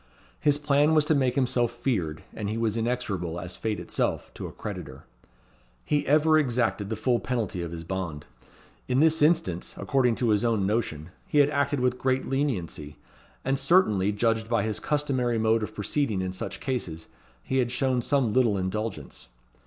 His plan was to make himself feared; and he was inexorable, as fate itself, to a creditor. He ever exacted the full penalty of his bond. In this instance, according to his own notion, he had acted with great leniency; and certainly, judged by his customary mode of proceeding in such cases, he had shown some little indulgence.